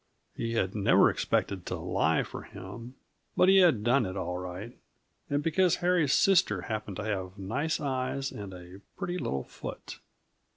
He had never expected to lie for him but he had done it, all right and because Harry's sister happened to have nice eyes and a pretty little foot!